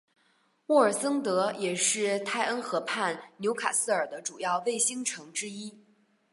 沃尔森德也是泰恩河畔纽卡斯尔的主要卫星城之一。